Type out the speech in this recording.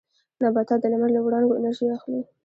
نباتات د لمر له وړانګو انرژي اخلي